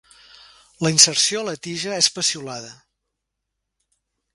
La inserció a la tija és peciolada.